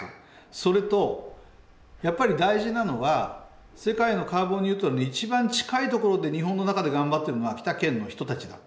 それとやっぱり大事なのは世界のカーボンニュートラルの一番近いところで日本の中で頑張っているのは秋田県の人たちだ。